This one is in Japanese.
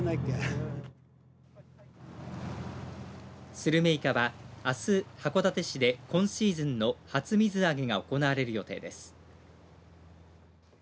スルメイカは、あす函館市で今シーズンの初水揚げが行われる予定です。